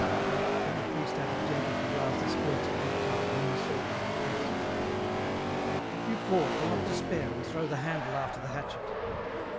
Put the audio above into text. Then the priest added gently to rouse the spirits of Durtal, whom he saw to be depressed, " If you fall do not despair, and throw the handle after the hatchet.